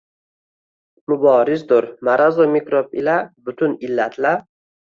Muborizdur marazu mikroʻb ila, butun illat-la